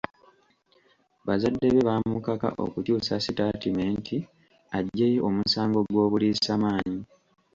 Bazadde be baamukaka okukyusa sitatimenti aggyeyo omusango gw'obuliisamaanyi.